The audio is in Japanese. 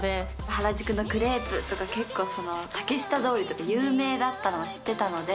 原宿のクレープとか、結構、竹下通りとか有名だったのを知ってたので、